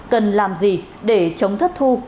cần làm gì để chống thất thu